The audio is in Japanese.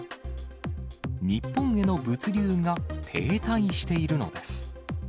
日本への物流が停滞しているのです。